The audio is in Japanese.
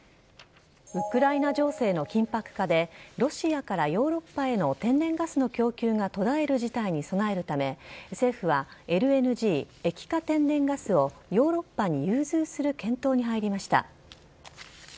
ウクライナ情勢の緊迫化でロシアからヨーロッパへの天然ガスの供給が途絶える事態に備えるため政府はＬＮＧ＝液化天然ガスをヨーロッパに融通する検討に入りました。